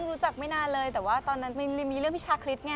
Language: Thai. รู้จักไม่นานเลยแต่ว่าตอนนั้นมีเรื่องพี่ชาคริสไง